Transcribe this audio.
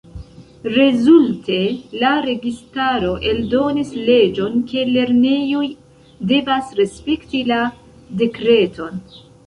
Rezulte, la registaro eldonis leĝon ke lernejoj devas respekti la Dekreton.